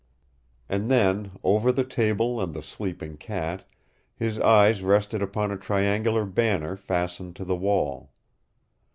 And then, over the table and the sleeping cat, his eyes rested upon a triangular banner fastened to the wall.